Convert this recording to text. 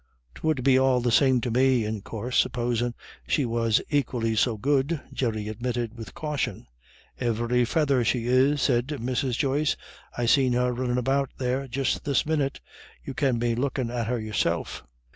"'Twould be all the same thing to me, in coorse, supposin' she was equally so good," Jerry admitted with caution. "Ivery feather she is," said Mrs. Joyce. "I seen her runnin' about there just this minute; you can be lookin' at her yourself."